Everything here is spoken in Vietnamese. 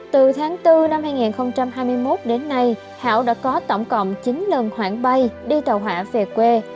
từ tháng bốn năm hai nghìn hai mươi một đến nay hảo đã có tổng cộng chín lần khoản bay đi tàu hỏa về quê